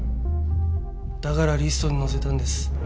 だからリストに載せたんです。